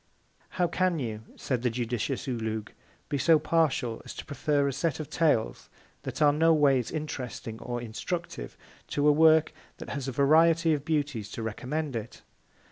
How can you, said the judicious OULOUG, be so partial, as to prefer a Set of Tales, that are no ways interesting or instructive, to a Work, that has a Variety of Beauties to recommend it?